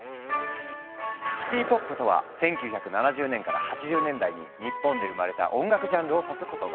シティ・ポップとは１９７０年から８０年代に日本で生まれた音楽ジャンルを指す言葉。